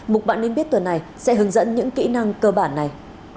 mục bạn nên biết tuần này sẽ hướng dẫn những kỹ năng cơ bản này